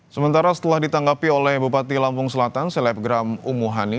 sementara setelah ditanggapi oleh bupati lampung selatan selebgram umuhani